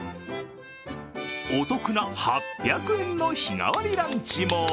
お得な８００円の日替わりランチも。